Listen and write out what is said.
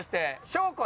祥子！